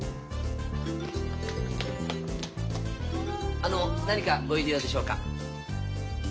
あの何かご入り用でしょうか。